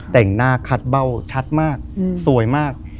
แต่งหน้าคัดเบ้าชัดมากสวยมาก